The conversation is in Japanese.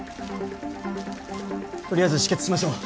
取りあえず止血しましょう。